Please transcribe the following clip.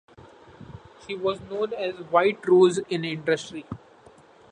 She was known as "White Rose" in industry.